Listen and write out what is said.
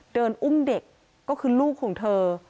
อุ้มเด็กก็คือลูกของเธอ